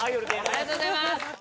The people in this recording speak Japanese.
ありがとうございます！